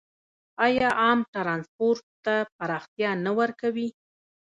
آیا عام ټرانسپورټ ته پراختیا نه ورکوي؟